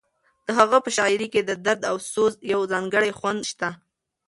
د هغه په شاعرۍ کې د درد او سوز یو ځانګړی خوند شته.